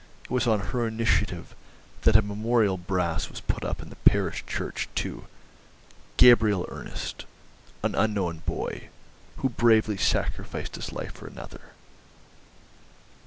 It was on her initiative that a memorial brass was put up in the parish church to "Gabriel Ernest, an unknown boy, who bravely sacrificed his life for another."